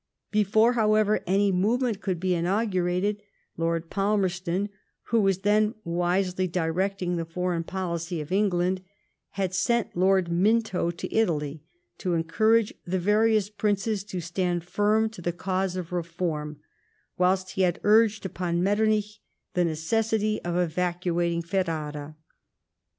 Before, how ever, any movement could be inaugurated, Lord Palmer ston, who was then wisely directing the foreign policy of England, had sent Lord Minto to Italy to encourage the various princes to stand firm to the cause of reform, whilst he had urged upon Metternich the necessity of evacuating Ferrara.